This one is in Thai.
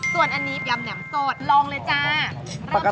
ส่วนอันนี้ผีชามแหน่มโต๊ดลองเลยจ้า